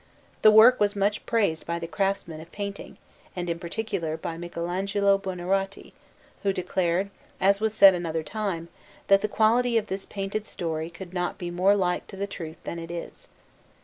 This work was much praised by the craftsmen of painting, and in particular by Michelagnolo Buonarroti, who declared, as was said another time, that the quality of this painted story could not be more like to the truth than it is.